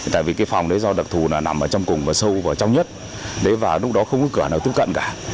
tại vì phòng đó do đặc thù nằm trong cùng và sâu vào trong nhất lúc đó không có cửa nào tiếp cận cả